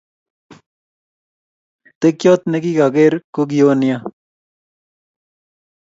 Tekyot nikikaker ko kio nea